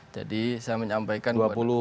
jadi saya menyampaikan